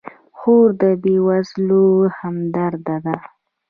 خور د بېوزلو همدرده ده.